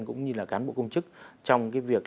cũng như là cán bộ công chức trong cái việc